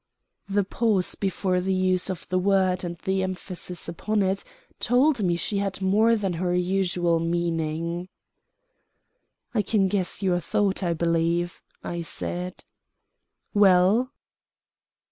"] The pause before the use of the word and the emphasis upon it told me she had more than her usual meaning. "I can guess your thought, I believe," I said. "Well?"